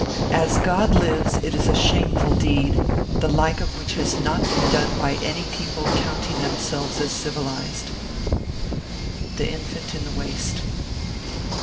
As God lives, it is a shameful deed, the like of which has not been done by any people counting them selves as civilised. THE INFANT IN THE WASTE.